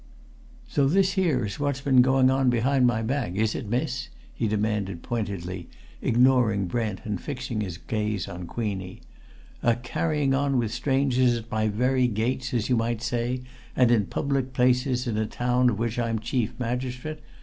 "So this here is what's been going on behind my back, is it, miss?" he demanded, pointedly ignoring Brent and fixing his gaze on Queenie. "A carrying on with strangers at my very gates, as you might say, and in public places in a town of which I'm chief magistrate!